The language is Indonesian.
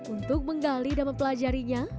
untuk menggali dan mempelajarinya